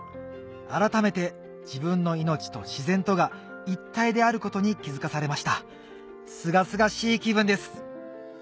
改めて自分の命と自然とが一体であることに気付かされましたすがすがしい気分です